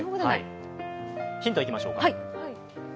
ヒントいきましょう。